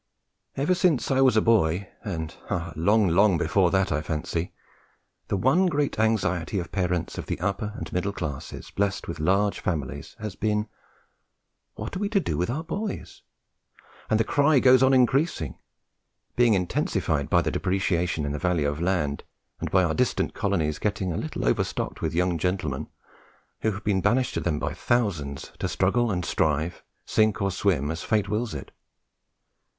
Ever since I was a boy, and ah! long, long before that, I fancy, the one great anxiety of parents of the upper and middle classes blessed with large families has been, "What are we to do with our boys?" and the cry goes on increasing, being intensified by the depreciation in the value of land, and by our distant colonies getting a little overstocked with young gentlemen, who have been banished to them by thousands, to struggle and strive, sink or swim, as fate wills it.